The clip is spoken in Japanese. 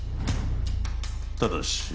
ただし